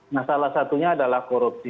nah salah satunya adalah korupsi